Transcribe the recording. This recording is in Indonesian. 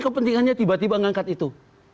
kepentingannya tiba tiba mengangkat itu